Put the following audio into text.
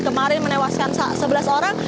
kemarin menewaskan sebelas orang